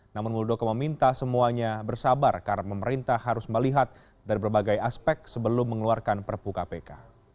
namun muldoko meminta semuanya bersabar karena pemerintah harus melihat dari berbagai aspek sebelum mengeluarkan perpu kpk